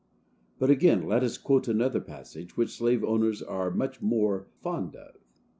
But again, let us quote another passage, which slave owners are much more fond of.